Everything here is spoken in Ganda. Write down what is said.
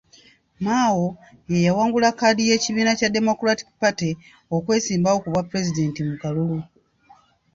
Mao ye yawangula kkaadi y'ekibiina kya Democratic Party okwesimbawo ku bwapulezidenti mu kalulu.